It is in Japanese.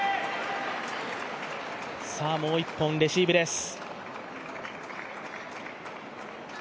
もう１本、レシーブです。